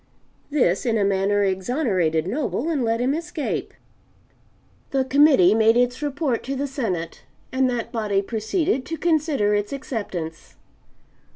This in a manner exonerated Noble and let him escape. The Committee made its report to the Senate, and that body proceeded to consider its acceptance.